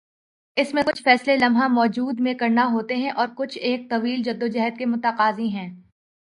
اس میں کچھ فیصلے لمحہ موجود میں کرنا ہوتے ہیں اور کچھ ایک طویل جدوجہد کے متقاضی ہیں۔